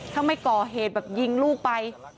ถ้าไม่ก่อเหตุแบบยิงลูกไป